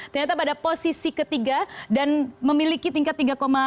ternyata pada posisi ketiga dan memiliki tingkat tiga